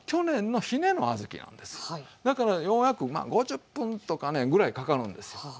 だから弱く５０分とかねぐらいかかるんですよ